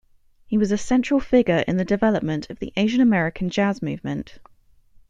He was a central figure in the development of the Asian American jazz movement.